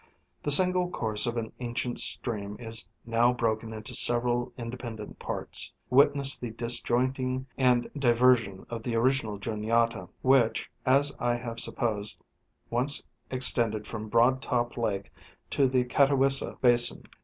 The single course of an ancient stream is now broken into several independent parts ; witness the disjoint ing and diversion of the original Juniata, which, as I hav^e sup posed, once extended from Broad Top lake to the Catawissa basin.